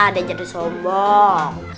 udah jadi sombong